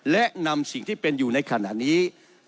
และนำสิ่งที่เป็นอยู่ในขณะนี้